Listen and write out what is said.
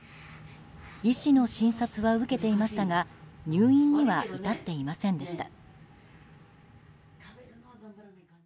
医師の診察は受けていましたが入院には至っていませんでした。